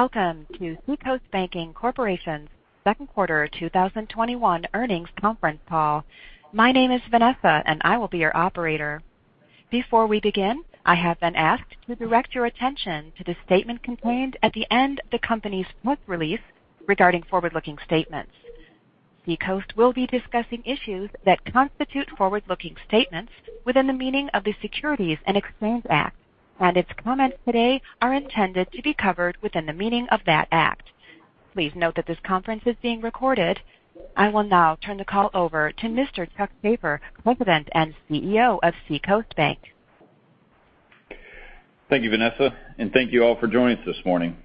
Welcome to Seacoast Banking Corporation's second quarter 2021 earnings conference call. My name is Vanessa, and I will be your operator. Before we begin, I have been asked to direct your attention to the statement contained at the end of the company's press release regarding forward-looking statements. Seacoast will be discussing issues that constitute forward-looking statements within the meaning of the Securities Exchange Act, and its comments today are intended to be covered within the meaning of that act. Please note that this conference is being recorded. I will now turn the call over to Mr. Chuck Shaffer, President and CEO of Seacoast Bank. Thank you, Vanessa, and thank you all for joining us this morning.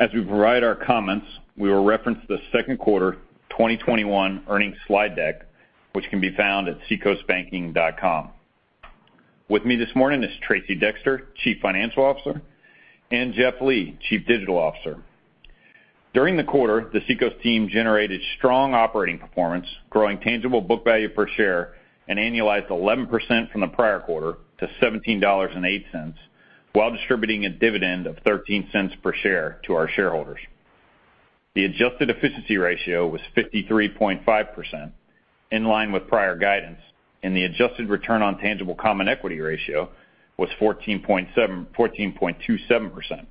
As we provide our comments, we will reference the second quarter 2021 earnings slide deck, which can be found at seacoastbanking.com. With me this morning is Tracey Dexter, Chief Financial Officer, and Jeff Lee, Chief Digital Officer. During the quarter, the Seacoast team generated strong operating performance, growing tangible book value per share, an annualized 11% from the prior quarter to $17.08, while distributing a dividend of $0.13 per share to our shareholders. The adjusted efficiency ratio was 53.5%, in line with prior guidance, and the adjusted return on tangible common equity ratio was 14.27%.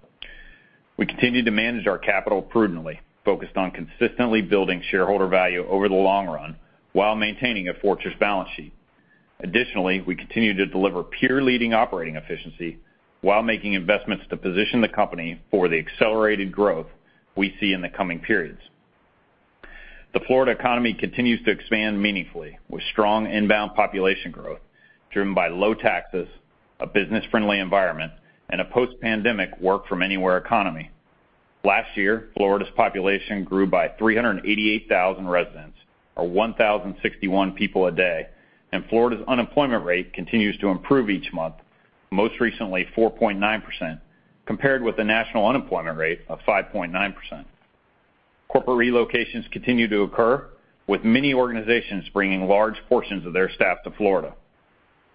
We continued to manage our capital prudently, focused on consistently building shareholder value over the long run while maintaining a fortress balance sheet. Additionally, we continue to deliver peer-leading operating efficiency while making investments to position the company for the accelerated growth we see in the coming periods. The Florida economy continues to expand meaningfully with strong inbound population growth driven by low taxes, a business-friendly environment, and a post-pandemic work-from-anywhere economy. Last year, Florida's population grew by 388,000 residents, or 1,061 people a day, and Florida's unemployment rate continues to improve each month, most recently 4.9%, compared with the national unemployment rate of 5.9%. Corporate relocations continue to occur, with many organizations bringing large portions of their staff to Florida.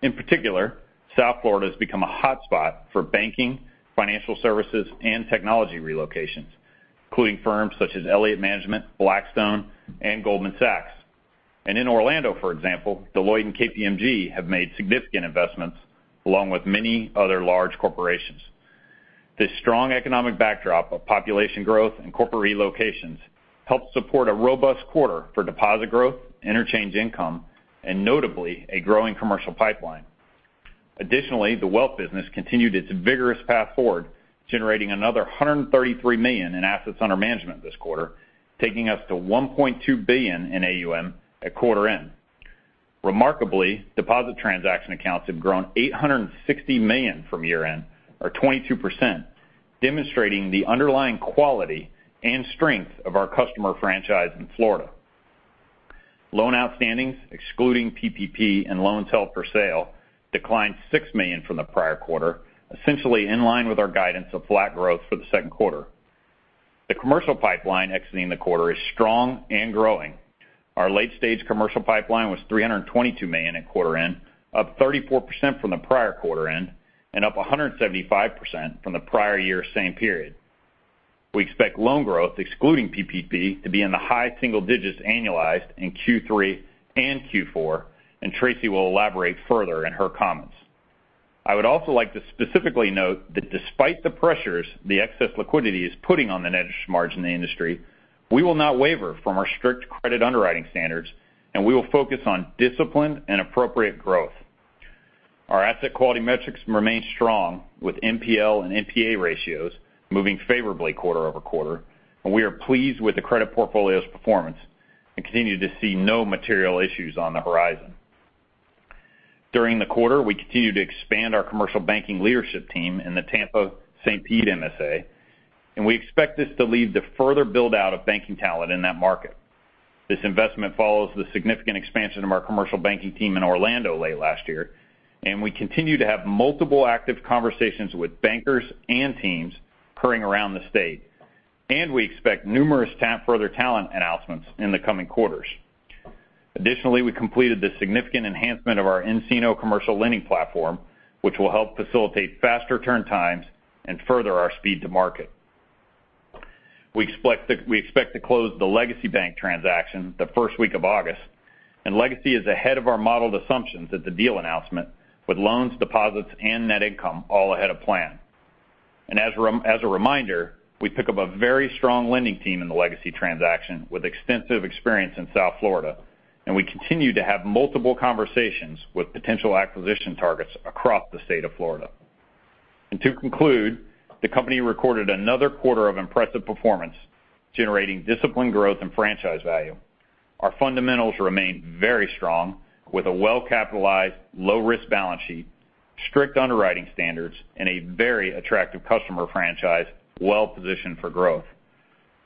In particular, South Florida has become a hotspot for banking, financial services, and technology relocations, including firms such as Elliott Management, Blackstone, and Goldman Sachs. In Orlando, for example, Deloitte and KPMG have made significant investments along with many other large corporations. This strong economic backdrop of population growth and corporate relocations helped support a robust quarter for deposit growth, interchange income, and notably, a growing commercial pipeline. Additionally, the wealth business continued its vigorous path forward, generating another $133 million in assets under management this quarter, taking us to $1.2 billion in AUM at quarter end. Remarkably, deposit transaction accounts have grown $860 million from year-end, or 22%, demonstrating the underlying quality and strength of our customer franchise in Florida. Loan outstandings, excluding PPP and loans held for sale, declined $6 million from the prior quarter, essentially in line with our guidance of flat growth for the second quarter. The commercial pipeline exiting the quarter is strong and growing. Our late-stage commercial pipeline was $322 million at quarter end, up 34% from the prior quarter end and up 175% from the prior year same period. We expect loan growth, excluding PPP, to be in the high single digits annualized in Q3 and Q4, and Tracey will elaborate further in her comments. I would also like to specifically note that despite the pressures the excess liquidity is putting on the net interest margin in the industry, we will not waver from our strict credit underwriting standards, and we will focus on disciplined and appropriate growth. Our asset quality metrics remain strong, with NPL and NPA ratios moving favorably quarter over quarter, and we are pleased with the credit portfolio's performance and continue to see no material issues on the horizon. During the quarter, we continued to expand our commercial banking leadership team in the Tampa St. Pete MSA, and we expect this to lead to further build-out of banking talent in that market. This investment follows the significant expansion of our commercial banking team in Orlando late last year, and we continue to have multiple active conversations with bankers and teams occurring around the state, and we expect numerous further talent announcements in the coming quarters. Additionally, we completed the significant enhancement of our nCino Commercial Lending Platform, which will help facilitate faster turn times and further our speed to market. We expect to close the Legacy Bank transaction the first week of August, and Legacy is ahead of our modeled assumptions at the deal announcement, with loans, deposits, and net income all ahead of plan. As a reminder, we pick up a very strong lending team in the Legacy transaction with extensive experience in South Florida, and we continue to have multiple conversations with potential acquisition targets across the state of Florida. To conclude, the company recorded another quarter of impressive performance, generating disciplined growth and franchise value. Our fundamentals remain very strong with a well-capitalized, low-risk balance sheet, strict underwriting standards, and a very attractive customer franchise well-positioned for growth.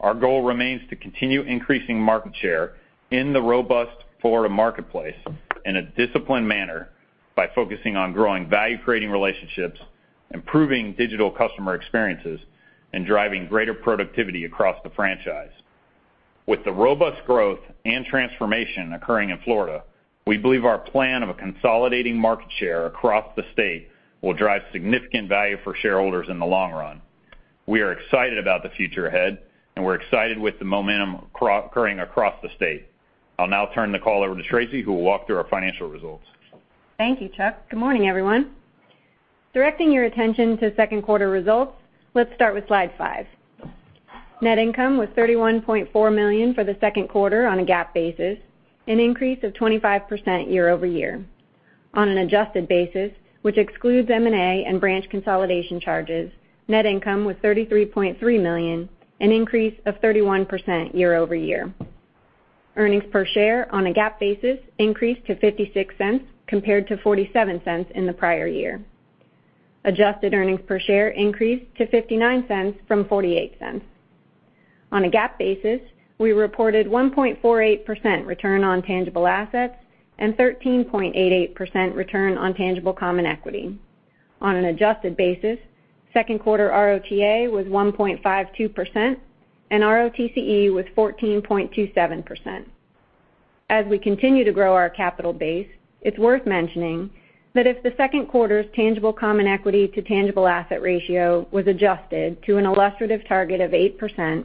Our goal remains to continue increasing market share in the robust Florida marketplace in a disciplined manner by focusing on growing value-creating relationships, improving digital customer experiences, and driving greater productivity across the franchise. With the robust growth and transformation occurring in Florida, we believe our plan of consolidating market share across the state will drive significant value for shareholders in the long run. We are excited about the future ahead, and we're excited with the momentum occurring across the state. I'll now turn the call over to Tracey, who will walk through our financial results. Thank you, Chuck. Good morning, everyone. Directing your attention to second quarter results, let's start with slide five. Net income was $31.4 million for the second quarter on a GAAP basis, an increase of 25% year-over-year. On an adjusted basis, which excludes M&A and branch consolidation charges, net income was $33.3 million, an increase of 31% year-over-year. Earnings per share on a GAAP basis increased to $0.56 compared to $0.47 in the prior year. Adjusted earnings per share increased to $0.59 from $0.48. On a GAAP basis, we reported 1.48% return on tangible assets and 13.88% return on tangible common equity. On an adjusted basis, second-quarter ROTA was 1.52%, and ROTCE was 14.27%. As we continue to grow our capital base, it's worth mentioning that if the second quarter's tangible common equity to tangible asset ratio was adjusted to an illustrative target of 8%,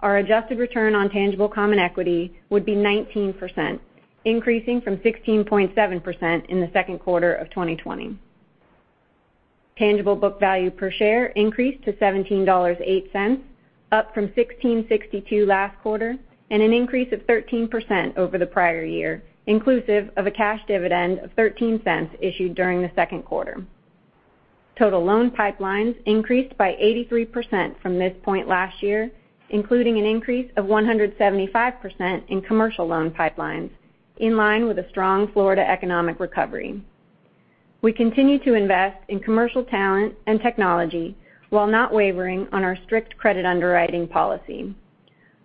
our adjusted return on tangible common equity would be 19%, increasing from 16.7% in the second quarter of 2020. Tangible book value per share increased to $17.08, up from $16.62 last quarter, and an increase of 13% over the prior year, inclusive of a cash dividend of $0.13 issued during the second quarter. Total loan pipelines increased by 83% from this point last year, including an increase of 175% in commercial loan pipelines, in line with a strong Florida economic recovery. We continue to invest in commercial talent and technology while not wavering on our strict credit underwriting policy.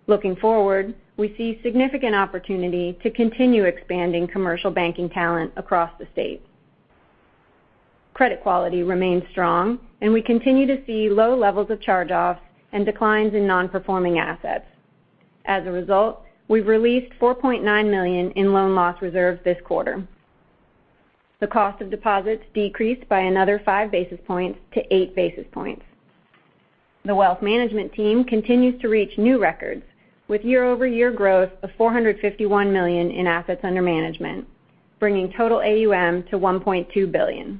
Looking forward, we see significant opportunity to continue expanding commercial banking talent across the state. Credit quality remains strong. We continue to see low levels of charge-offs and declines in non-performing assets. As a result, we've released $4.9 million in loan loss reserves this quarter. The cost of deposits decreased by another 5 basis points to 8 basis points. The wealth management team continues to reach new records with year-over-year growth of $451 million in assets under management, bringing total AUM to $1.2 billion.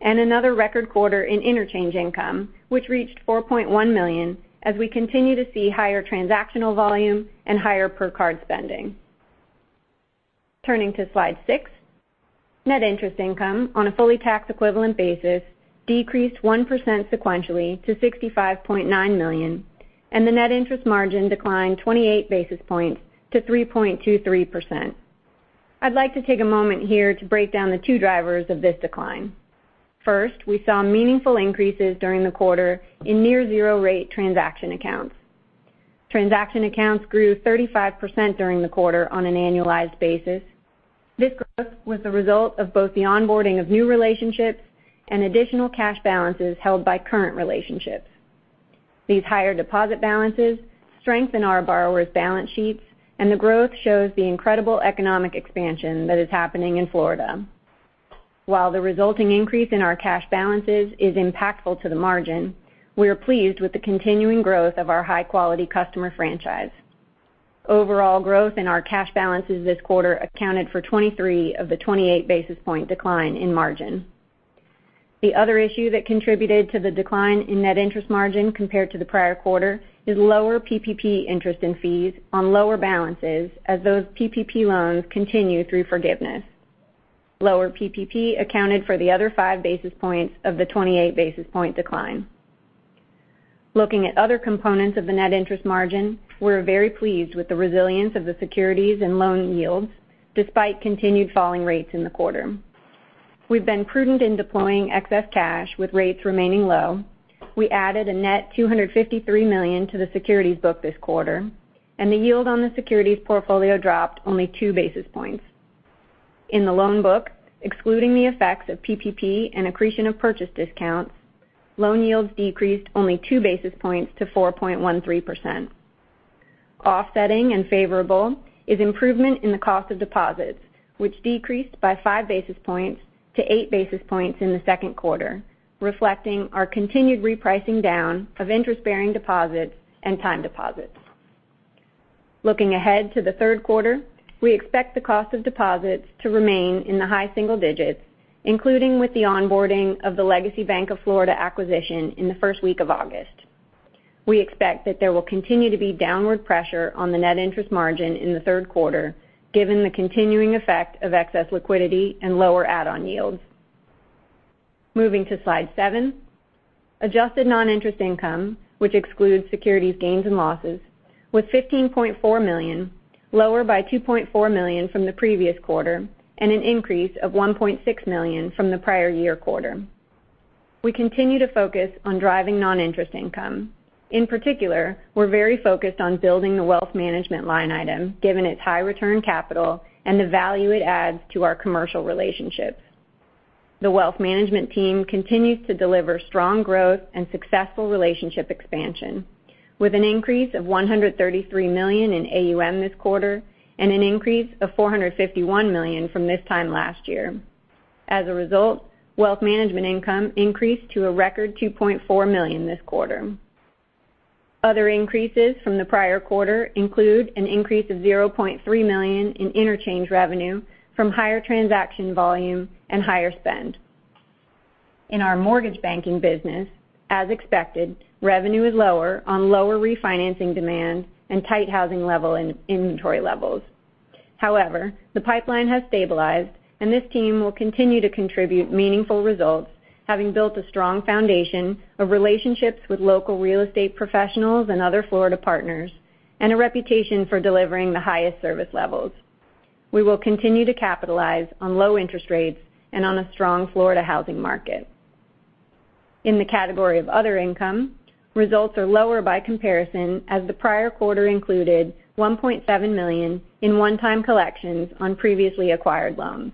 Another record quarter in interchange income, which reached $4.1 million as we continue to see higher transactional volume and higher per-card spending. Turning to slide six, net interest income on a fully tax-equivalent basis decreased 1% sequentially to $65.9 million. The net interest margin declined 28 basis points to 3.23%. I'd like to take a moment here to break down the two drivers of this decline. First, we saw meaningful increases during the quarter in near-zero-rate transaction accounts. Transaction accounts grew 35% during the quarter on an annualized basis. This growth was the result of both the onboarding of new relationships and additional cash balances held by current relationships. These higher deposit balances strengthen our borrowers' balance sheets, and the growth shows the incredible economic expansion that is happening in Florida. While the resulting increase in our cash balances is impactful to the margin, we are pleased with the continuing growth of our high-quality customer franchise. Overall growth in our cash balances this quarter accounted for 23 basis points of the 28 basis points decline in margin. The other issue that contributed to the decline in net interest margin compared to the prior quarter is lower PPP interest and fees on lower balances as those PPP loans continue through forgiveness. Lower PPP accounted for the other 5 basis points of the 28 basis points decline. Looking at other components of the net interest margin, we're very pleased with the resilience of the securities and loan yields despite continued falling rates in the quarter. We've been prudent in deploying excess cash with rates remaining low. We added a net $253 million to the securities book this quarter. The yield on the securities portfolio dropped only 2 basis points. In the loan book, excluding the effects of PPP and accretion of purchase discounts, loan yields decreased only 2 basis points to 4.13%. Offsetting and favorable is improvement in the cost of deposits, which decreased by 5 basis points to 8 basis points in the second quarter, reflecting our continued repricing down of interest-bearing deposits and time deposits. Looking ahead to the third quarter, we expect the cost of deposits to remain in the high single digits, including with the onboarding of the Legacy Bank of Florida acquisition in the first week of August. We expect that there will continue to be downward pressure on the net interest margin in the third quarter, given the continuing effect of excess liquidity and lower add-on yields. Moving to slide seven, adjusted non-interest income, which excludes securities gains and losses, was $15.4 million, lower by $2.4 million from the previous quarter and an increase of $1.6 million from the prior year quarter. We continue to focus on driving non-interest income. In particular, we're very focused on building the wealth management line item, given its high return capital and the value it adds to our commercial relationships. The wealth management team continues to deliver strong growth and successful relationship expansion, with an increase of $133 million in AUM this quarter and an increase of $451 million from this time last year. As a result, wealth management income increased to a record $2.4 million this quarter. Other increases from the prior quarter include an increase of $0.3 million in interchange revenue from higher transaction volume and higher spend. In our mortgage banking business, as expected, revenue is lower on lower refinancing demand and tight housing inventory levels. However, the pipeline has stabilized. This team will continue to contribute meaningful results, having built a strong foundation of relationships with local real estate professionals and other Florida partners, and a reputation for delivering the highest service levels. We will continue to capitalize on low interest rates and on a strong Florida housing market. In the category of other income, results are lower by comparison, as the prior quarter included $1.7 million in one-time collections on previously acquired loans.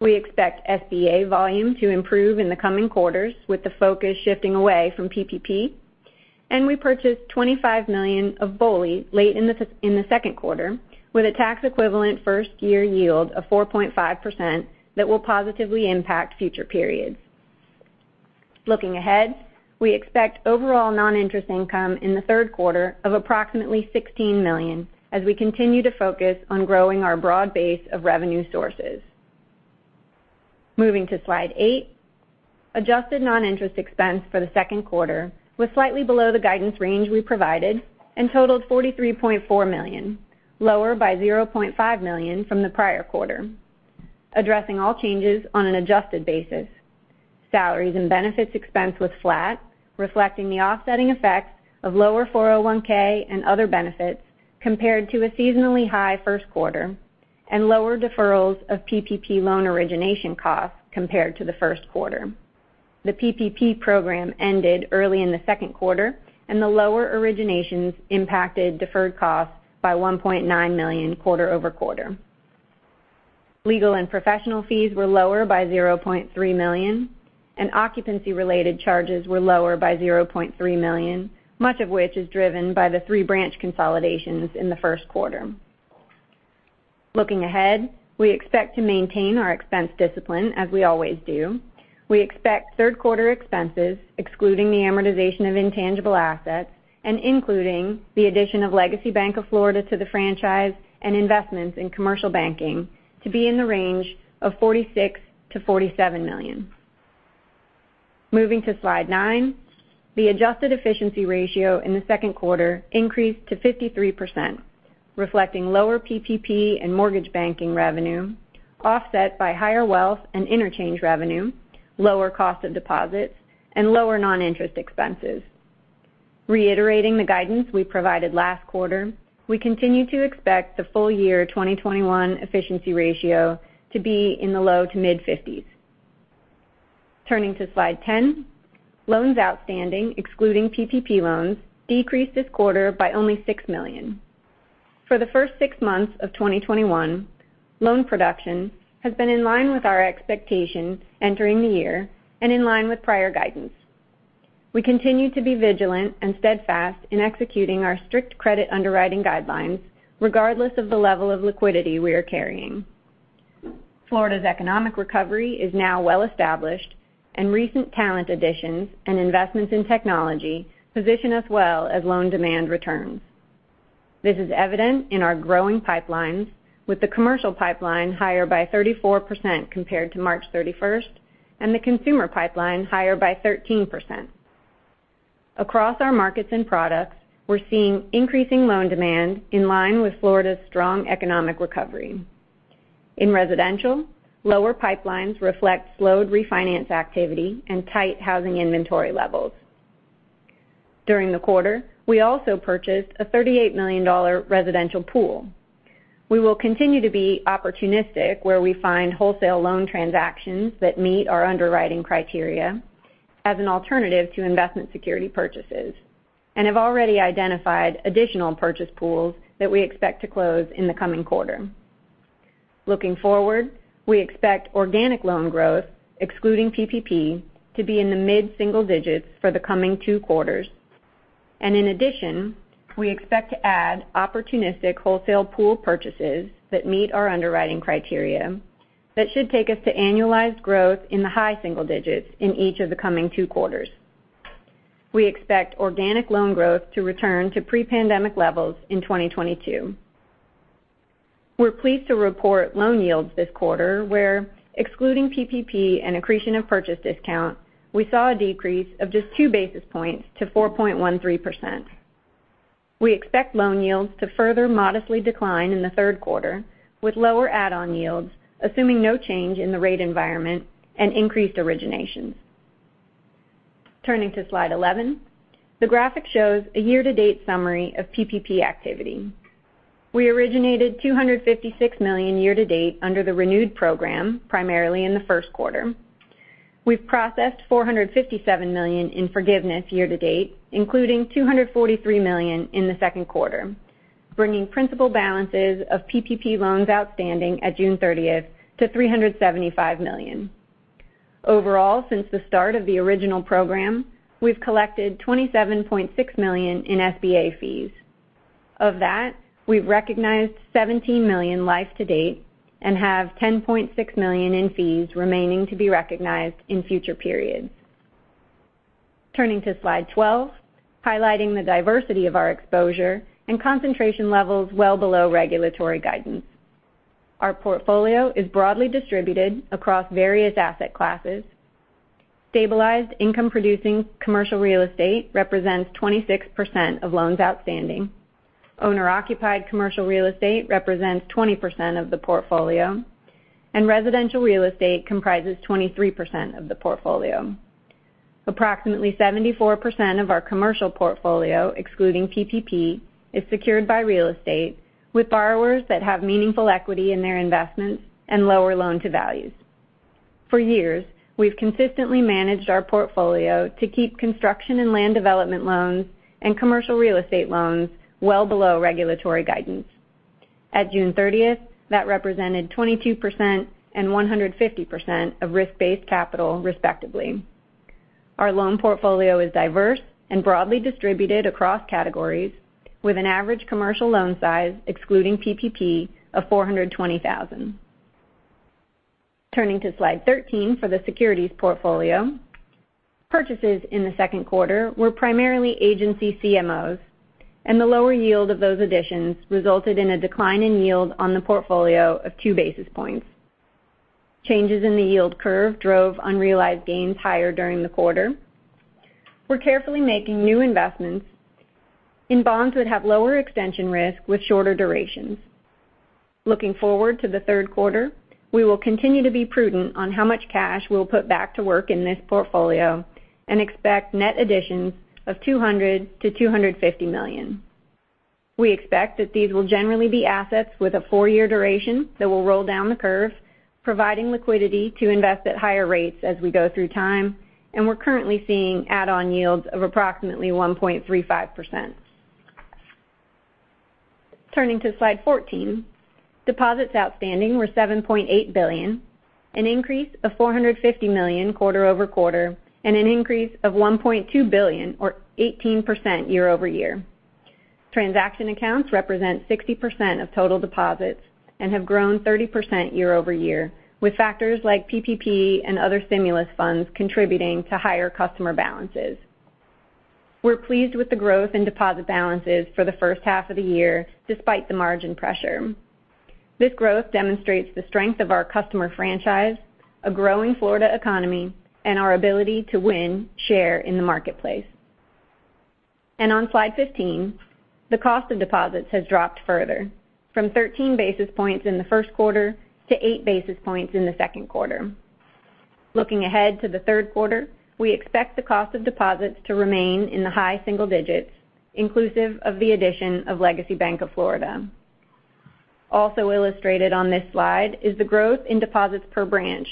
We expect SBA volume to improve in the coming quarters, with the focus shifting away from PPP. We purchased $25 million of BOLI late in the second quarter with a tax equivalent first-year yield of 4.5% that will positively impact future periods. Looking ahead, we expect overall non-interest income in the third quarter of approximately $16 million as we continue to focus on growing our broad base of revenue sources. Moving to slide eight, adjusted non-interest expense for the second quarter was slightly below the guidance range we provided and totaled $43.4 million, lower by $0.5 million from the prior quarter. Addressing all changes on an adjusted basis, salaries and benefits expense was flat, reflecting the offsetting effect of lower 401(k) and other benefits compared to a seasonally high first quarter and lower deferrals of PPP loan origination costs compared to the first quarter. The PPP program ended early in the second quarter, and the lower originations impacted deferred costs by $1.9 million quarter-over-quarter. Legal and professional fees were lower by $0.3 million, and occupancy-related charges were lower by $0.3 million, much of which is driven by the three branch consolidations in the first quarter. Looking ahead, we expect to maintain our expense discipline as we always do. We expect third quarter expenses, excluding the amortization of intangible assets and including the addition of Legacy Bank of Florida to the franchise and investments in commercial banking, to be in the range of $46 million-$47 million. Moving to slide nine, the adjusted efficiency ratio in the second quarter increased to 53%, reflecting lower PPP and mortgage banking revenue, offset by higher wealth and interchange revenue, lower cost of deposits, and lower non-interest expenses. Reiterating the guidance we provided last quarter, we continue to expect the full year 2021 efficiency ratio to be in the low to mid-50s. Turning to slide 10, loans outstanding, excluding PPP loans, decreased this quarter by only $6 million. For the first six months of 2021, loan production has been in line with our expectations entering the year and in line with prior guidance. We continue to be vigilant and steadfast in executing our strict credit underwriting guidelines regardless of the level of liquidity we are carrying. Florida's economic recovery is now well established, and recent talent additions and investments in technology position us well as loan demand returns. This is evident in our growing pipelines, with the commercial pipeline higher by 34% compared to March 31st, and the consumer pipeline higher by 13%. Across our markets and products, we're seeing increasing loan demand in line with Florida's strong economic recovery. In residential, lower pipelines reflect slowed refinance activity and tight housing inventory levels. During the quarter, we also purchased a $38 million residential pool. We will continue to be opportunistic where we find wholesale loan transactions that meet our underwriting criteria as an alternative to investment security purchases and have already identified additional purchase pools that we expect to close in the coming quarter. Looking forward, we expect organic loan growth, excluding PPP, to be in the mid-single digits for the coming two quarters. In addition, we expect to add opportunistic wholesale pool purchases that meet our underwriting criteria that should take us to annualized growth in the high single digits in each of the coming two quarters. We expect organic loan growth to return to pre-pandemic levels in 2022. We're pleased to report loan yields this quarter where, excluding PPP and accretion of purchase discount, we saw a decrease of just 2 basis points to 4.13%. We expect loan yields to further modestly decline in the third quarter with lower add-on yields, assuming no change in the rate environment and increased originations. Turning to slide 11, the graphic shows a year-to-date summary of PPP activity. We originated $256 million year-to-date under the renewed program, primarily in the first quarter. We've processed $457 million in forgiveness year-to-date, including $243 million in the second quarter, bringing principal balances of PPP loans outstanding at June 30th to $375 million. Overall, since the start of the original program, we've collected $27.6 million in SBA fees. Of that, we've recognized $17 million life to date and have $10.6 million in fees remaining to be recognized in future periods. Turning to slide 12, highlighting the diversity of our exposure and concentration levels well below regulatory guidance. Our portfolio is broadly distributed across various asset classes. Stabilized income-producing commercial real estate represents 26% of loans outstanding. Owner-occupied commercial real estate represents 20% of the portfolio, and residential real estate comprises 23% of the portfolio. Approximately 74% of our commercial portfolio, excluding PPP, is secured by real estate, with borrowers that have meaningful equity in their investments and lower loan-to-values. For years, we've consistently managed our portfolio to keep construction and land development loans and commercial real estate loans well below regulatory guidance. At June 30th, that represented 22% and 150% of risk-based capital, respectively. Our loan portfolio is diverse and broadly distributed across categories, with an average commercial loan size, excluding PPP, of $420,000. Turning to slide 13 for the securities portfolio. Purchases in the second quarter were primarily agency CMOs, and the lower yield of those additions resulted in a decline in yield on the portfolio of 2 basis points. Changes in the yield curve drove unrealized gains higher during the quarter. We're carefully making new investments in bonds that have lower extension risk with shorter durations. Looking forward to the third quarter, we will continue to be prudent on how much cash we'll put back to work in this portfolio and expect net additions of $200 million-$250 million. We expect that these will generally be assets with a four-year duration that will roll down the curve, providing liquidity to invest at higher rates as we go through time, and we're currently seeing add-on yields of approximately 1.35%. Turning to slide 14, deposits outstanding were $7.8 billion, an increase of $450 million quarter-over-quarter and an increase of $1.2 billion or 18% year-over-year. Transaction accounts represent 60% of total deposits and have grown 30% year-over-year, with factors like PPP and other stimulus funds contributing to higher customer balances. We're pleased with the growth in deposit balances for the first half of the year, despite the margin pressure. This growth demonstrates the strength of our customer franchise, a growing Florida economy, and our ability to win share in the marketplace. On slide 15, the cost of deposits has dropped further, from 13 basis points in the first quarter to 8 basis points in the second quarter. Looking ahead to the third quarter, we expect the cost of deposits to remain in the high single digits, inclusive of the addition of Legacy Bank of Florida. Also illustrated on this slide is the growth in deposits per branch,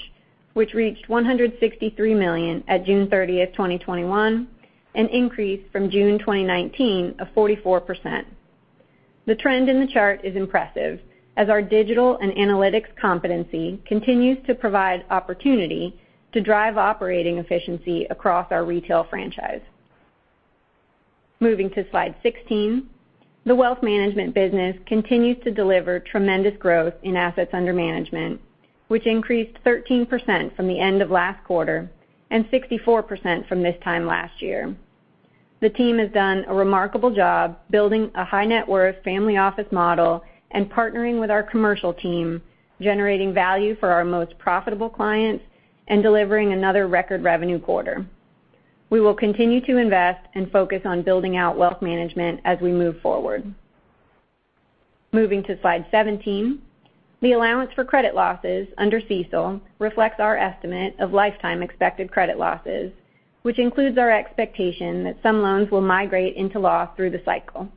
which reached $163 million on June 30th, 2021, an increase from June 2019 of 44%. The trend in the chart is impressive, as our digital and analytics competency continues to provide opportunities to drive operating efficiency across our retail franchise. Moving to slide 16, the wealth management business continues to deliver tremendous growth in assets under management, which increased 13% from the end of last quarter and 64% from this time last year. The team has done a remarkable job building a high-net-worth family office model and partnering with our commercial team, generating value for our most profitable clients, and delivering another record revenue quarter. We will continue to invest and focus on building out wealth management as we move forward. Moving to slide 17, the allowance for credit losses under CECL reflects our estimate of lifetime expected credit losses, which includes our expectation that some loans will migrate into loss through the cycle.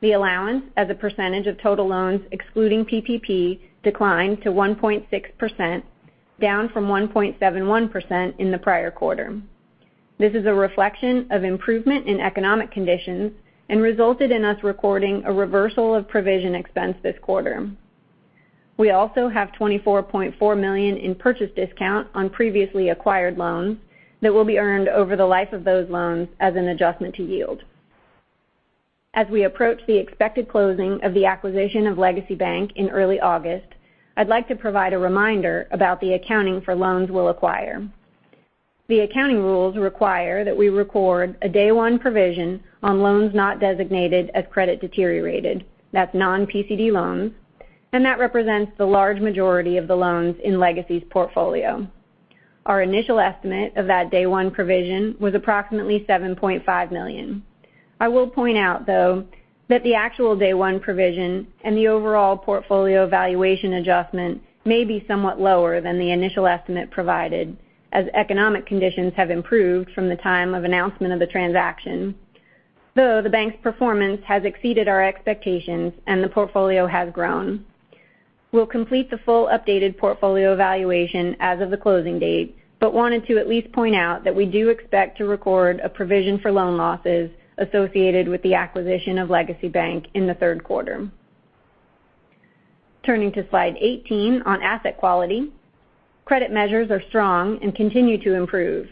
The allowance as a percentage of total loans excluding PPP declined to 1.6%, down from 1.71% in the prior quarter. This is a reflection of improvement in economic conditions and resulted in us recording a reversal of provision expense this quarter. We also have $24.4 million in purchase discounts on previously acquired loans that will be earned over the life of those loans as an adjustment to yield. As we approach the expected closing of the acquisition of Legacy Bank in early August, I'd like to provide a reminder about the accounting for loans we'll acquire. The accounting rules require that we record a day one provision on loans not designated as credit deteriorated, that's non-PCD loans, and that represents the large majority of the loans in Legacy's portfolio. Our initial estimate of that day one provision was approximately $7.5 million. I will point out, though, that the actual day one provision and the overall portfolio valuation adjustment may be somewhat lower than the initial estimate provided, as economic conditions have improved from the time of announcement of the transaction. Though the bank's performance has exceeded our expectations and the portfolio has grown, we'll complete the full updated portfolio evaluation as of the closing date, but wanted to at least point out that we do expect to record a provision for loan losses associated with the acquisition of Legacy Bank in the third quarter. Turning to slide 18 on asset quality, credit measures are strong and continue to improve.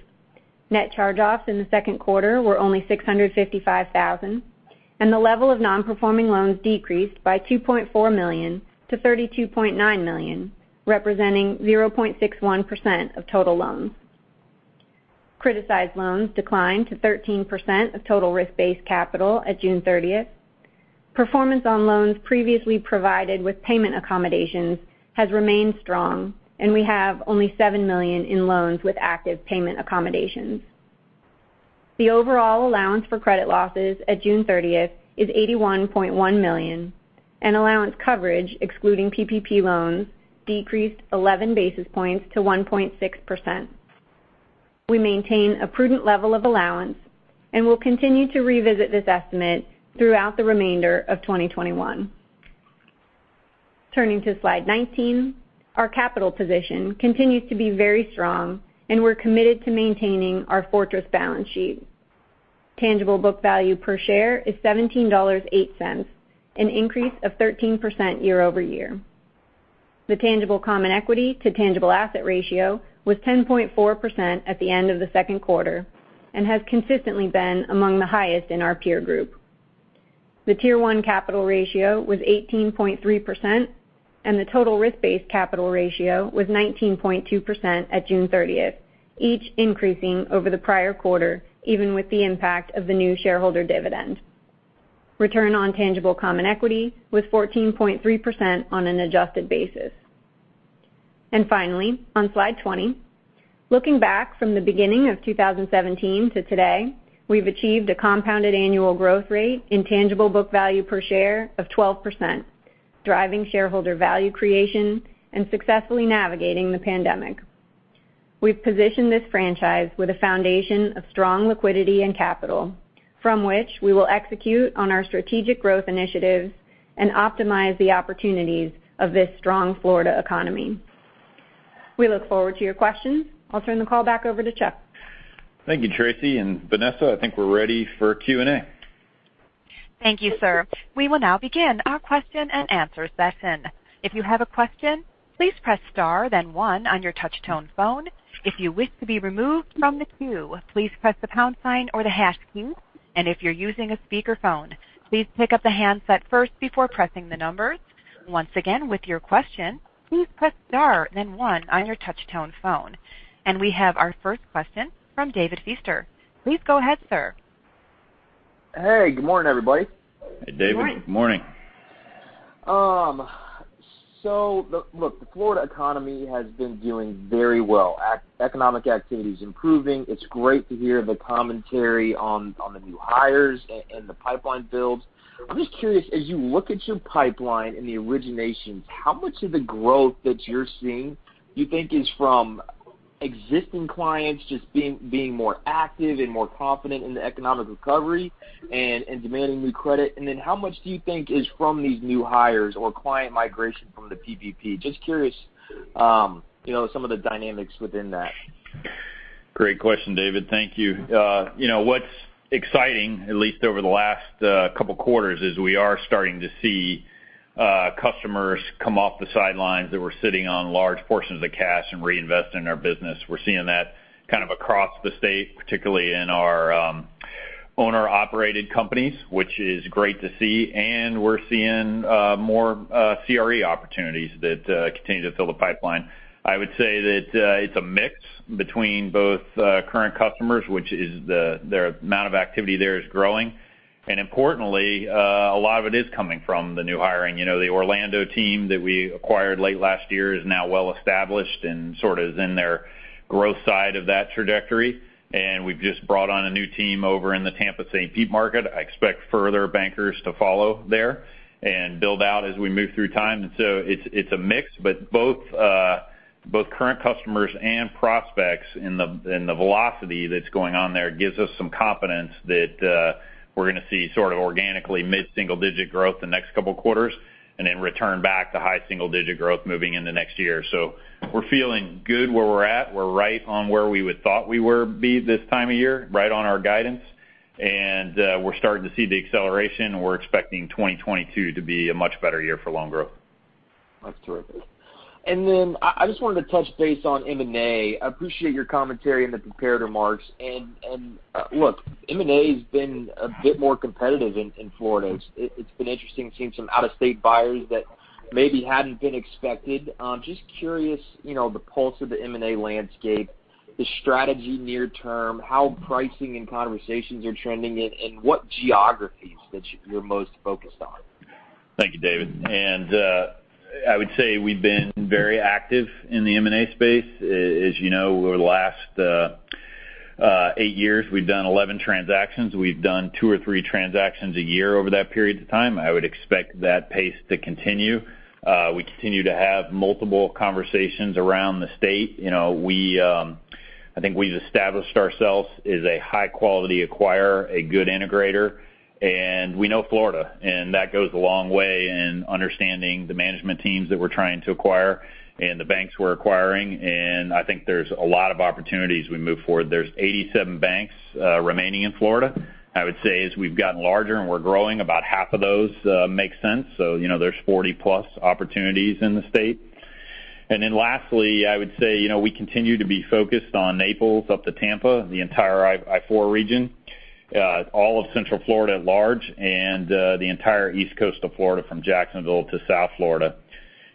Net charge-offs in the second quarter were only $655,000, and the level of non-performing loans decreased by $2.4 million-$32.9 million, representing 0.61% of total loans. Criticized loans declined to 13% of total risk-based capital on June 30th. Performance on loans previously provided with payment accommodations has remained strong, and we have only $7 million in loans with active payment accommodations. The overall allowance for credit losses on June 30th is $81.1 million, and allowance coverage, excluding PPP loans, decreased 11 basis points to 1.6%. We maintain a prudent level of allowance and will continue to revisit this estimate throughout the remainder of 2021. Turning to slide 19, our capital position continues to be very strong, and we're committed to maintaining our fortress balance sheet. Tangible book value per share is $17.08, an increase of 13% year-over-year. The tangible common equity to tangible asset ratio was 10.4% at the end of the second quarter and has consistently been among the highest in our peer group. The Tier 1 capital ratio was 18.3%, and the total risk-based capital ratio was 19.2% on June 30th, each increasing over the prior quarter, even with the impact of the new shareholder dividend. Return on tangible common equity was 14.3% on an adjusted basis. Finally, on slide 20, looking back from the beginning of 2017 to today, we've achieved a compounded annual growth rate in tangible book value per share of 12%, driving shareholder value creation and successfully navigating the pandemic. We've positioned this franchise with a foundation of strong liquidity and capital, from which we will execute on our strategic growth initiatives and optimize the opportunities of this strong Florida economy. We look forward to your questions. I'll turn the call back over to Chuck. Thank you, Tracey and Vanessa. I think we're ready for Q&A. Thank you, sir. We will now begin our question-and-answer session. If you have a question, please press star then one on your touch-tone phone. If you wish to be removed from the queue, please press the pound sign or the hash key, and if you're using a speakerphone, please pick up the handset first before pressing the numbers. Once again, with your question, please press star then one on your touch-tone phone. We have our first question from David Feaster. Please go ahead, sir. Hey, good morning, everybody. Hey, David. Good morning. Good morning. The Florida economy has been doing very well. Economic activity is improving. It's great to hear the commentary on the new hires and the pipeline builds. I'm just curious, as you look at your pipeline and the originations, how much of the growth that you're seeing you think is from existing clients just being more active and more confident in the economic recovery and demanding new credit? How much do you think is from these new hires or client migration from the PPP? Just curious some of the dynamics within that. Great question, David. Thank you. What's exciting, at least over the last couple of quarters, is we are starting to see customers come off the sidelines that were sitting on large portions of cash and reinvest in our business. We're seeing that kind of across the state, particularly in our owner-operated companies, which is great to see, and we're seeing more CRE opportunities that continue to fill the pipeline. I would say that it's a mix between both current customers, which is the amount of activity there is growing, and importantly, a lot of it is coming from the new hiring. The Orlando team that we acquired late last year is now well-established and sort of is in their growth side of that trajectory. We've just brought on a new team over in the Tampa, St. Pete market. I expect further bankers to follow there and build out as we move through time. It's a mix, but both current customers and prospects in the velocity that's going on there gives us some confidence that we're going to see sort of organically mid-single digit growth the next couple of quarters and then return back to high single digit growth moving into next year. We're feeling good where we're at. We're right on where we would thought we would be this time of year, right on our guidance. We're starting to see the acceleration, and we're expecting 2022 to be a much better year for loan growth. That's terrific. I just wanted to touch base on M&A. I appreciate your commentary in the prepared remarks. Look, M&A has been a bit more competitive in Florida. It's been interesting seeing some out-of-state buyers that maybe hadn't been expected. Just curious, the pulse of the M&A landscape, the strategy near term, how pricing and conversations are trending, and what geographies that you're most focused on. Thank you, David. I would say we've been very active in the M&A space. As you know, over the last eight years, we've done 11 transactions. We've done two or three transactions a year over that period of time. I would expect that pace to continue. We continue to have multiple conversations around the state. I think we've established ourselves as a high-quality acquirer, a good integrator, and we know Florida, and that goes a long way in understanding the management teams that we're trying to acquire and the banks we're acquiring. I think there are a lot of opportunities as we move forward. There are 87 banks remaining in Florida. I would say as we've gotten larger and we're growing, about half of those make sense. There are 40+ opportunities in the state. Then lastly, I would say, we continue to be focused on Naples up to Tampa, the entire I-4 region, all of Central Florida at large, and the entire East Coast of Florida from Jacksonville to South Florida.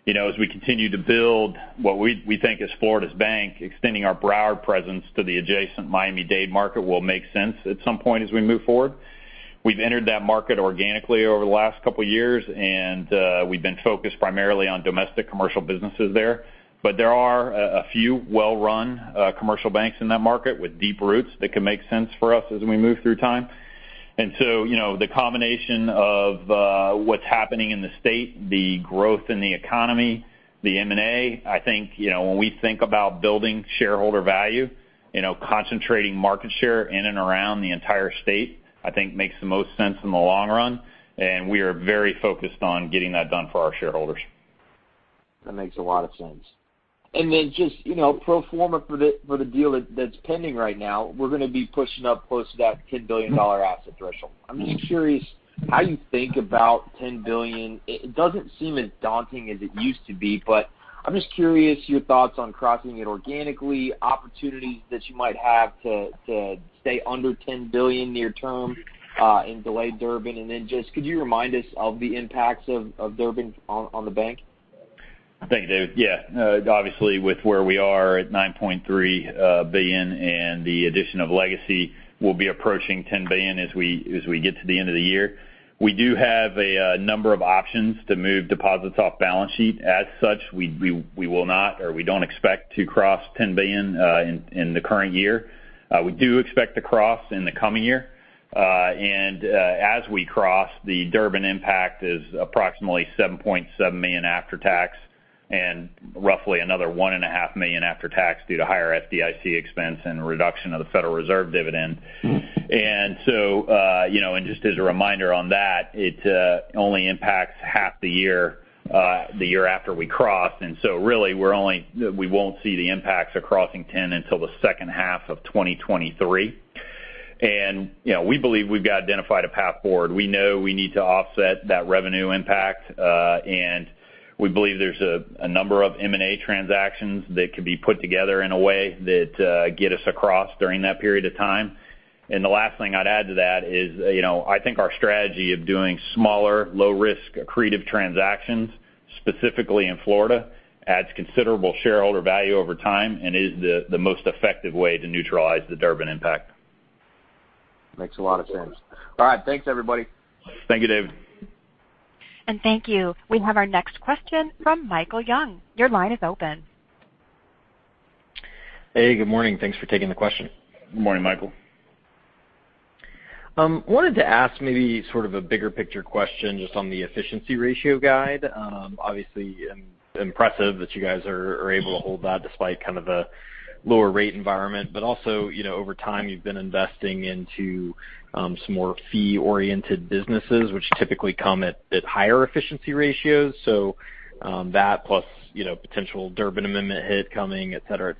As we continue to build what we think is Florida's bank, extending our Broward presence to the adjacent Miami-Dade market will make sense at some point as we move forward. We've entered that market organically over the last couple of years, and we've been focused primarily on domestic commercial businesses there. There are a few well-run commercial banks in that market with deep roots that could make sense for us as we move through time. The combination of what's happening in the state, the growth in the economy, the M&A, I think, when we think about building shareholder value, concentrating market share in and around the entire state, I think, makes the most sense in the long run. We are very focused on getting that done for our shareholders. That makes a lot of sense. Just pro forma for the deal that's pending right now, we're going to be pushing up close to that $10 billion asset threshold. I'm just curious how you think about $10 billion? It doesn't seem as daunting as it used to be. I'm just curious about your thoughts on crossing it organically, opportunities that you might have to stay under $10 billion near term, and delay Durbin. Just could you remind us of the impacts of Durbin on the bank? I think, David, yeah. Obviously, with where we are at $9.3 billion and the addition of Legacy, we'll be approaching $10 billion as we get to the end of the year. We do have a number of options to move deposits off balance sheet. As such, we will not, or we don't expect to cross $10 billion in the current year. We do expect to cross in the coming year. As we cross, the Durbin impact is approximately $7.7 million after tax and roughly another $1.5 million after tax due to higher FDIC expense and reduction of the Federal Reserve dividend. Just as a reminder on that, it only impacts half the year after we cross. So really, we won't see the impacts of crossing $10 billion until the second half of 2023. We believe we've identified a path forward. We know we need to offset that revenue impact. We believe there's a number of M&A transactions that could be put together in a way that get us across during that period of time. The last thing I'd add to that is, I think our strategy of doing smaller, low-risk, accretive transactions, specifically in Florida, adds considerable shareholder value over time and is the most effective way to neutralize the Durbin impact. Makes a lot of sense. All right. Thanks, everybody. Thank you, David. Thank you. We have our next question from Michael Young. Hey, good morning. Thanks for taking the question. Good morning, Michael. Wanted to ask maybe sort of a bigger picture question just on the efficiency ratio guide? Obviously, impressive that you guys are able to hold that despite kind of the lower rate environment. Also, over time, you've been investing into some more fee-oriented businesses, which typically come at higher efficiency ratios. That plus potential Durbin Amendment hit coming, et cetera.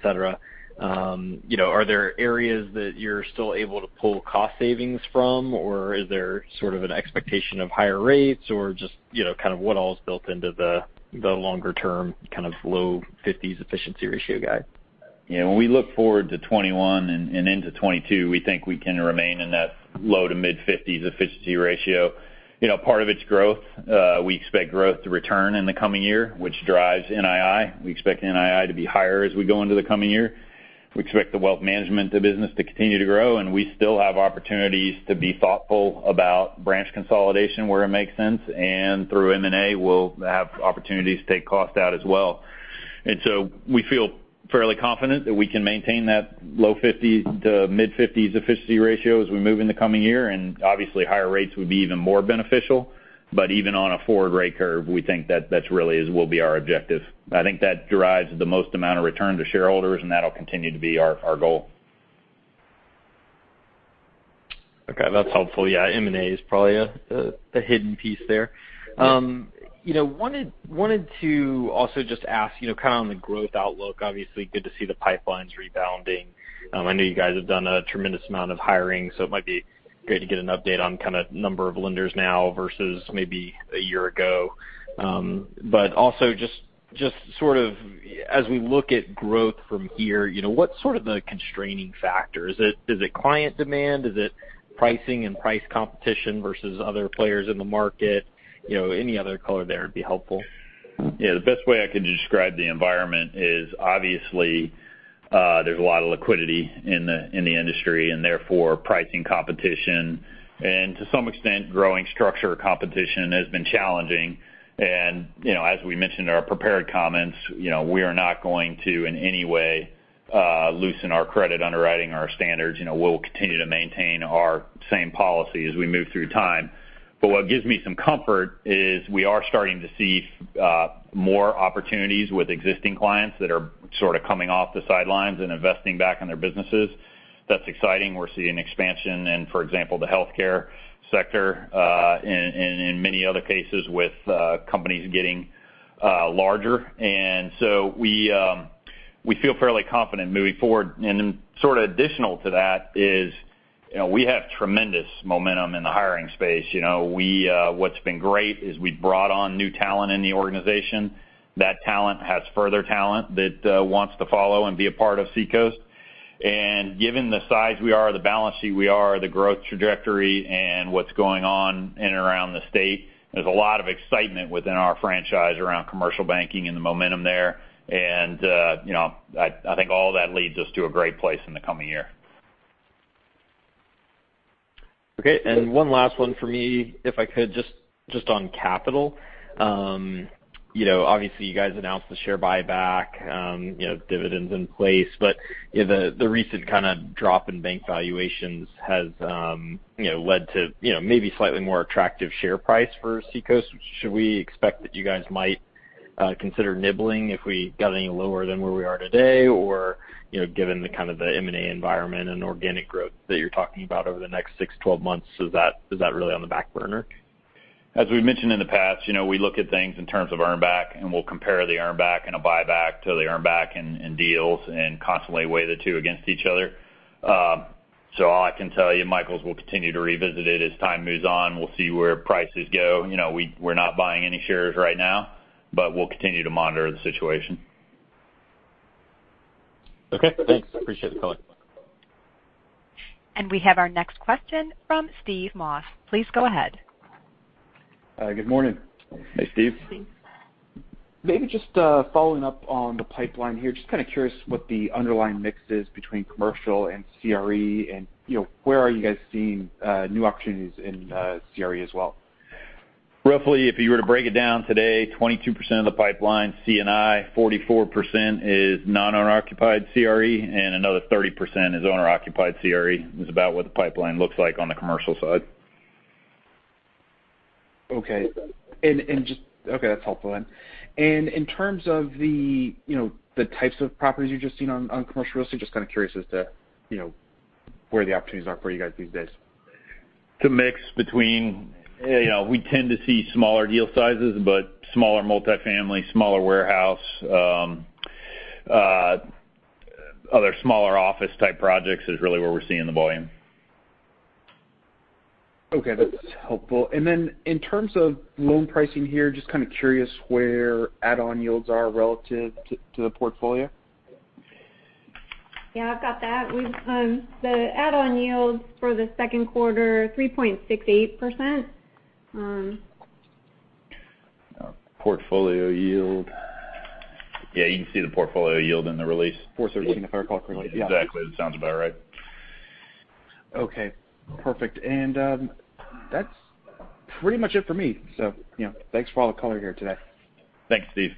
Are there areas that you're still able to pull cost savings from, or is there sort of an expectation of higher rates, or just kind of what all is built into the longer-term kind of low 50s efficiency ratio guide? When we look forward to 2021 and into 2022, we think we can remain in that low-50s to mid-50s efficiency ratio. Part of its growth. We expect growth to return in the coming year, which drives NII. We expect NII to be higher as we go into the coming year. We expect the wealth management of business to continue to grow, and we still have opportunities to be thoughtful about branch consolidation where it makes sense. Through M&A, we'll have opportunities to take costs out as well. We feel fairly confident that we can maintain that low-50s to mid-50s efficiency ratio as we move in the coming year. Obviously, higher rates would be even more beneficial. Even on a forward rate curve, we think that really will be our objective. I think that drives the most amount of return to shareholders, and that'll continue to be our goal. Okay. That's helpful. Yeah, M&A is probably the hidden piece there. Wanted to also just ask kind of on the growth outlook, obviously good to see the pipelines rebounding. I know you guys have done a tremendous amount of hiring, so it might be great to get an update on kind of number of lenders now versus maybe a year ago. Also just sort of as we look at growth from here, what's sort of the constraining factor? Is it client demand? Is it pricing and price competition versus other players in the market? Any other color there would be helpful. Yeah. The best way I can describe the environment is obviously, there's a lot of liquidity in the industry, and therefore pricing competition, and to some extent, growing structure competition has been challenging. As we mentioned in our prepared comments, we are not going to, in any way loosen our credit underwriting or our standards. We'll continue to maintain our same policy as we move through time. What gives me some comfort is we are starting to see more opportunities with existing clients that are sort of coming off the sidelines and investing back in their businesses. That's exciting. We're seeing expansion in, for example, the healthcare sector, and in many other cases with companies getting larger. We feel fairly confident moving forward. Additional to that is, we have tremendous momentum in the hiring space. What's been great is we've brought on new talent in the organization. That talent has further talent that wants to follow and be a part of Seacoast. Given the size we are, the balance sheet we are, the growth trajectory, and what's going on in and around the state, there's a lot of excitement within our franchise around commercial banking and the momentum there. I think all that leads us to a great place in the coming year. Okay, one last one from me, if I could, just on capital. Obviously, you guys announced the share buyback, dividends in place, but the recent kind of drop in bank valuations has led to maybe a slightly more attractive share price for Seacoast. Should we expect that you guys might consider nibbling if we got any lower than where we are today? Given the kind of the M&A environment and organic growth that you're talking about over the next six months-12 months, is that really on the back burner? As we've mentioned in the past, we look at things in terms of earn back, and we'll compare the earn back and a buyback to the earn back and deals, and constantly weigh the two against each other. All I can tell you, Michael, is we'll continue to revisit it as time moves on. We'll see where prices go. We're not buying any shares right now, but we'll continue to monitor the situation. Okay, thanks. Appreciate the color. We have our next question from Steve Moss. Please go ahead. Good morning. Hey, Steve. Steve. Maybe just following up on the pipeline here. Just kind of curious what the underlying mix is between commercial and CRE, and where are you guys seeing new opportunities in CRE as well? Roughly, if you were to break it down today, 22% of the pipeline is C&I, 44% is non-owner-occupied CRE, and another 30% is owner-occupied CRE, is about what the pipeline looks like on the commercial side. Okay. That's helpful then. In terms of the types of properties you're just seeing on commercial real estate, just kind of curious as to where the opportunities are for you guys these days. It's a mix. We tend to see smaller deal sizes, but smaller multifamily, smaller warehouse, other smaller office-type projects are really where we're seeing the volume. Okay, that's helpful. In terms of loan pricing here, just kind of curious where add-on yields are relative to the portfolio? Yeah, I've got that. The add-on yields for the second quarter are 3.68%. Portfolio yield. Yeah, you can see the portfolio yield in the release. Of course, I was looking at the third quarter release, yeah. Exactly. That sounds about right. Okay, perfect. That's pretty much it for me. Thanks for all the color here today. Thanks, Steve.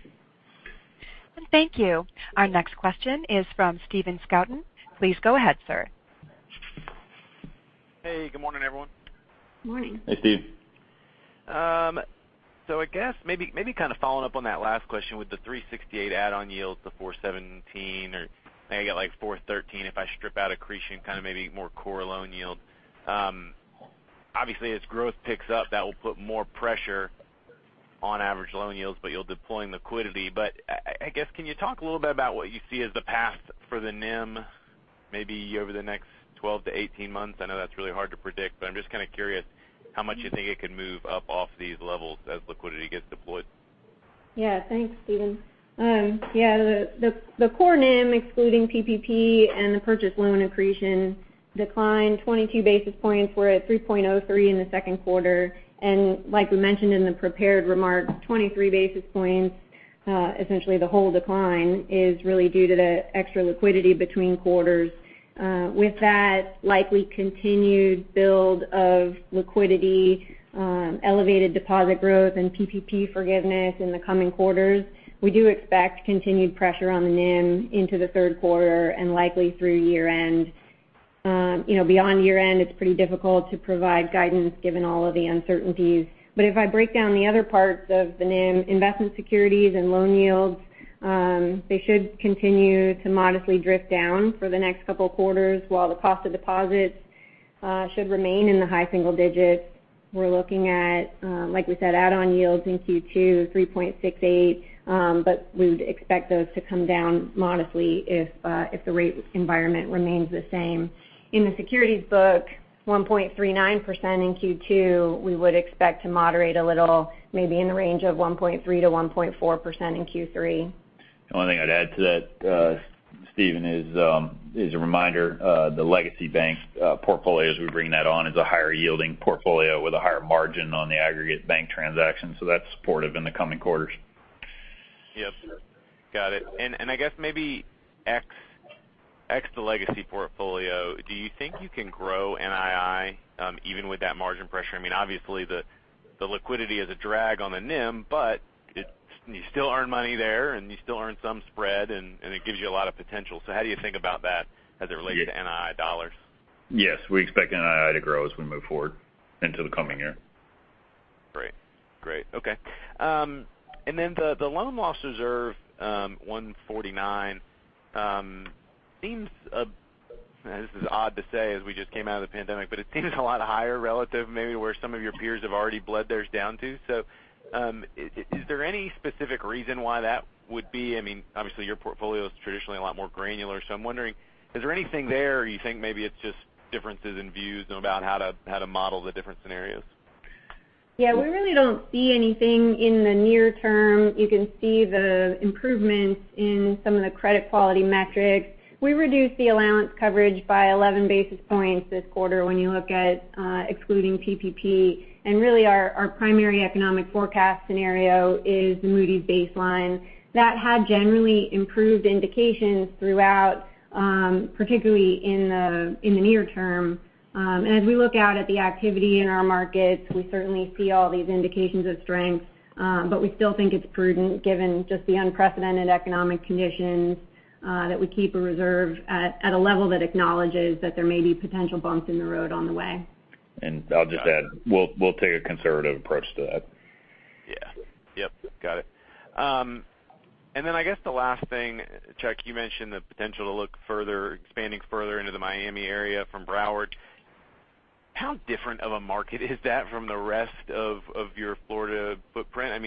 Thank you. Our next question is from Steven Scouten. Please go ahead, sir. Hey, good morning, everyone. Morning. Hey, Steve. I guess maybe kind of following up on that last question with the 368 add-on yields, the 417, or maybe I got like 413 if I strip out accretion, kind of maybe more core loan yield. Obviously, as growth picks up, that will put more pressure on average loan yields, but you'll deploy liquidity. I guess, can you talk a little bit about what you see as the path for the NIM maybe over the next 12-18 months? I know that's really hard to predict, but I'm just kind of curious how much you think it could move up off these levels as liquidity gets deployed. Yeah. Thanks, Steven. The core NIM, excluding PPP and the purchase loan accretion, declined 22 basis points. We're at 3.03% in the second quarter. Like we mentioned in the prepared remarks, 23 basis points, essentially the whole decline, is really due to the extra liquidity between quarters. With that likely continued build of liquidity, elevated deposit growth, and PPP forgiveness in the coming quarters, we do expect continued pressure on the NIM into the third quarter and likely through year-end. Beyond year-end, it's pretty difficult to provide guidance given all of the uncertainties. If I break down the other parts of the NIM, investment securities and loan yields, they should continue to modestly drift down for the next couple of quarters, while the cost of deposits should remain in the high single digits. We're looking at, like we said, add-on yields in Q2, 3.68%, but we would expect those to come down modestly if the rate environment remains the same. In the securities book, 1.39% in Q2, we would expect to moderate a little, maybe in the range of 1.3%-1.4% in Q3. The only thing I'd add to that, Steven, is a reminder, the Legacy Bank portfolio, as we bring that on, is a higher-yielding portfolio with a higher margin on the aggregate bank transaction. That's supportive in the coming quarters. Yep. Got it. I guess maybe, excluding the Legacy portfolio, do you think you can grow NII even with that margin pressure? Obviously, the liquidity is a drag on the NIM, but you still earn money there, and you still earn some spread and it gives you a lot of potential. How do you think about that as it relates to NII dollars? Yes, we expect NII to grow as we move forward into the coming year. Great. Okay. The loan loss reserve, $149, this is odd to say, as we just came out of the pandemic, it seems a lot higher relative maybe where some of your peers have already bled theirs down to. Is there any specific reason why that would be? Obviously, your portfolio is traditionally a lot more granular. I'm wondering, is there anything there or you think maybe it's just differences in views about how to model the different scenarios? Yeah, we really don't see anything in the near term. You can see the improvements in some of the credit quality metrics. We reduced the allowance coverage by 11 basis points this quarter when you look at excluding PPP. Really, our primary economic forecast scenario is the Moody's baseline. That had generally improved indications throughout, particularly in the near term. As we look out at the activity in our markets, we certainly see all these indications of strength. We still think it's prudent, given just the unprecedented economic conditions, that we keep a reserve at a level that acknowledges that there may be potential bumps in the road on the way. I'll just add, we'll take a conservative approach to that. Yeah. Got it. I guess the last thing, Chuck, you mentioned the potential to look further, expanding further into the Miami area from Broward. How different of a market is that from the rest of your Florida footprint?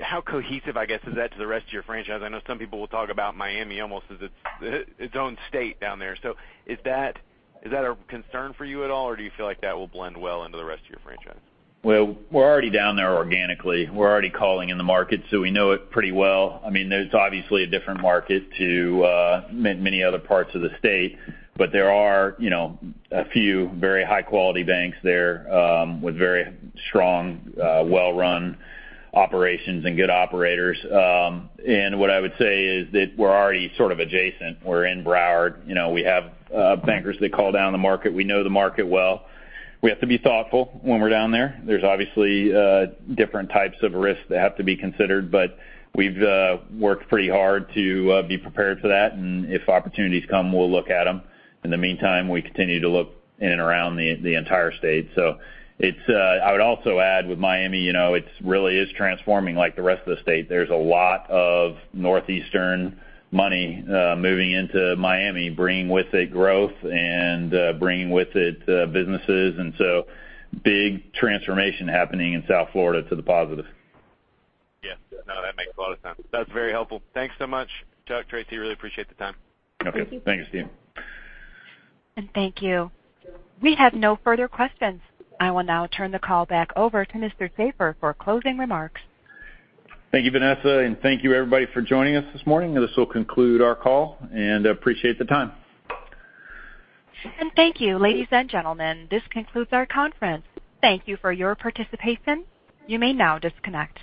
How cohesive, I guess, is that to the rest of your franchise? I know some people will talk about Miami almost as its own state down there. Is that a concern for you at all, or do you feel like that will blend well into the rest of your franchise? Well, we're already down there organically. We're already calling in the market. We know it pretty well. There's obviously a different market to many other parts of the state. There are a few very high-quality banks there with very strong, well-run operations and good operators. What I would say is that we're already sort of adjacent. We're in Broward. We have bankers that call down the market. We know the market well. We have to be thoughtful when we're down there. There are obviously different types of risks that have to be considered. We've worked pretty hard to be prepared for that. If opportunities come, we'll look at them. In the meantime, we continue to look in and around the entire state. I would also add with Miami, it really is transforming like the rest of the state. There's a lot of northeastern money moving into Miami, bringing with it growth and bringing with it businesses. So big transformation happening in South Florida to the positive. Yeah, no, that makes a lot of sense. That's very helpful. Thanks so much, Chuck, Tracey, really appreciate the time. Okay. Thanks, Steve. Thank you. Thank you. We have no further questions. I will now turn the call back over to Mr. Shaffer for closing remarks. Thank you, Vanessa, and thank you everybody for joining us this morning, and this will conclude our call, and I appreciate the time. Thank you, ladies and gentlemen. This concludes our conference. Thank you for your participation. You may now disconnect.